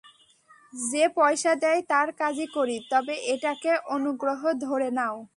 যে পয়সা দেয় তার কাজই করি, তবে এটাকে অনুগ্রহ ধরে নাও।